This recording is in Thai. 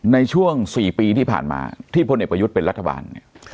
ในช่วง๔ปีที่ผ่านมาที่พลเอกประยุทธ์เป็นรัฐบาลเนี่ย